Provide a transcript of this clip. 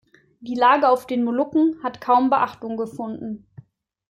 Die Lage auf den Molukken hat kaum Beachtung gefunden.